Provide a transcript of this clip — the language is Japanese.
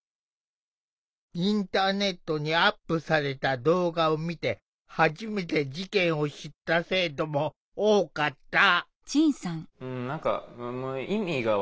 インターネットにアップされた動画を見て初めて事件を知った生徒も多かった。